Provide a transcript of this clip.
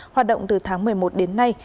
hoạt động từ tháng một mươi một đến nay